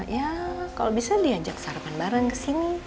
ya kalau bisa diajak sarapan bareng kesini